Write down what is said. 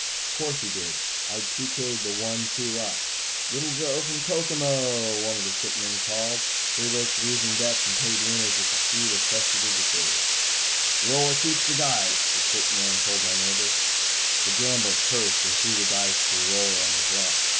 Of course he did. I TK'd the one two up. "Little Joe from Kokomo," one of the stick men called. They raked losing bets and paid winners with the speed of prestidigitators. "Roller keeps the dice," the stick man told my neighbor. The gambler cursed and threw the dice to the roller on his left.